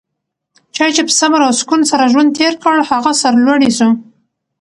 چا چي په صبر او سکون سره ژوند تېر کړ؛ هغه سرلوړی سو.